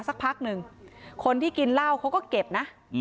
สักพักหนึ่งคนที่กินเหล้าเขาก็เก็บนะ